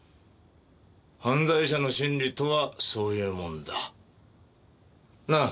犯罪者の心理とはそういうもんだ。なぁ？